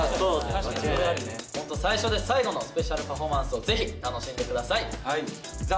本当、最初で最後のスペシャルパフォーマンスをぜひ楽しんでください。